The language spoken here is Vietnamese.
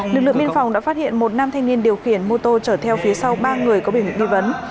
lực lượng biên phòng đã phát hiện một nam thanh niên điều khiển mô tô chở theo phía sau ba người có bị bị vấn